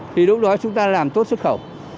thì lúc đó chúng ta làm tốt xuất khẩu